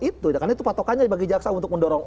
itu ya karena itu patokannya bagi jaksa untuk mendorong